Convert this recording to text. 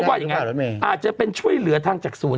นี่อาจจะเป็นช่วยเหลือจากศูนย์